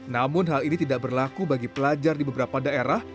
namun hal ini tidak berlaku bagi pelajar di beberapa daerah